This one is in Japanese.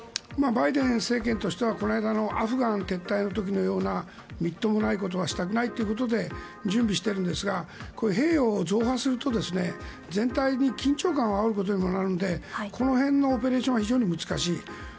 バイデン政権としてはこの間のアフガン撤退の時のようなみっともないことはしたくないということで準備しているんですが兵を増派すると全体に緊張感をあおることにもなるのでこの辺のオペレーションは非常に難しい。